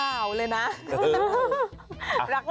ตัวรวบรักบ้าวเลยนะ